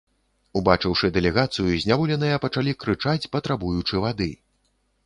Убачыўшы дэлегацыю, зняволеныя пачалі крычаць, патрабуючы вады.